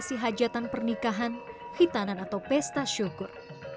si hajatan pernikahan hitanan atau pesta syukur